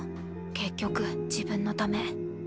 結局自分のため。